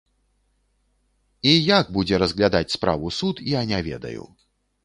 І як будзе разглядаць справу суд, я не ведаю.